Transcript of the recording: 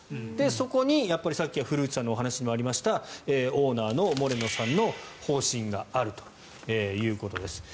そこにさっき古内さんの話にもありましたオーナーのモレノさんの方針があるということです。